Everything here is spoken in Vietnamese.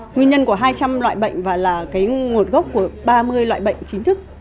nguyên nhân của hai trăm linh loại bệnh và là nguồn gốc của ba mươi loại bệnh chính thức